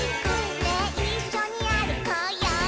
「ねえいっしょにあるこうよ」